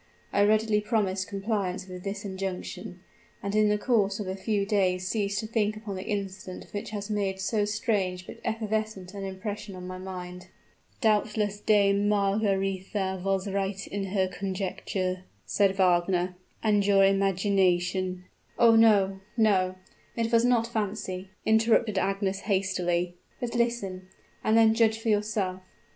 I readily promised compliance with this injunction; and in the course of a few days ceased to think upon the incident which has made so strange but evanescent an impression on my mind." "Doubtless Dame Margaretha was right in her conjecture," said Wagner; "and your imagination " "Oh, no no! It was not fancy!" interrupted Agnes, hastily. "But listen, and then judge for yourself.